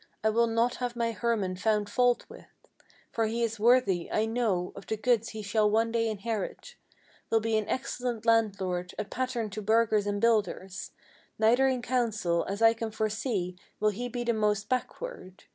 I will not have my Hermann found fault with; For he is worthy, I know, of the goods he shall one day inherit; Will be an excellent landlord, a pattern to burghers and builders; Neither in council, as I can foresee, will he be the most backward.